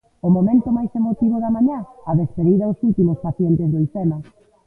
O momento máis emotivo da mañá, a despedida aos últimos pacientes de Ifema.